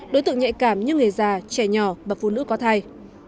đối tượng nhạy cảm như người già trẻ nhỏ và phụ nữ có thai